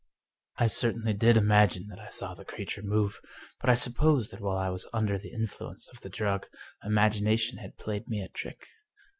" I certainly did imagine that I saw the creature move. But I supposed that while I was under the influence of the drug imagination had played me a trick."